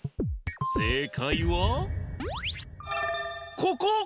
正解はここ！